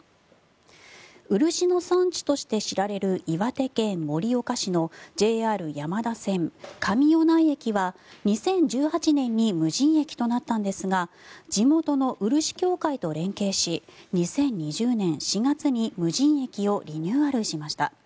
漆の産地として知られる岩手県盛岡市のＪＲ山田線上米内駅は２０１８年に無人駅となったんですが地元の漆協会と連携し２０２０年４月に無人駅をリニューアルしました。